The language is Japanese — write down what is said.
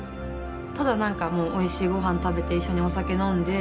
ただ何かおいしいごはん食べて一緒にお酒飲んで。